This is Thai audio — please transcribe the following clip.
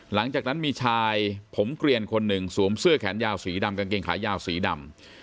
หลังจากนั้นมีชายผมเกลียนคนหนึ่งสวมเสื้อแขนยาวสีดำกางเกงขายาวสีดำ